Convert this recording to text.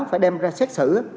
phải đem ra xét xử